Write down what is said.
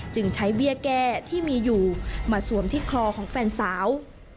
จึงใช้เบี้ยแก้ที่มีอยู่มาสวมที่คลอของแฟนสาว